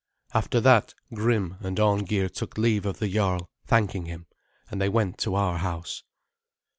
After that Grim and Arngeir took leave of the jarl, thanking him, and they went to our house.